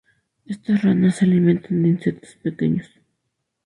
Estas ranas se alimentan de insectos pequeños.